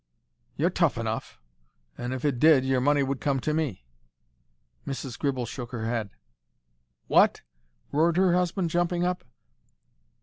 "You're tough enough. And if it did your money would come to me." Mrs. Gribble shook her head. "WHAT?" roared her husband, jumping up.